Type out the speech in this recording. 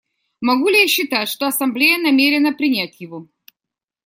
Могу ли я считать, что Ассамблея намерена принять его?